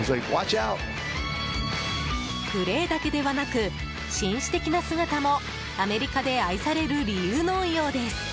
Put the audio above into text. プレーだけではなく紳士的な姿もアメリカで愛される理由のようです。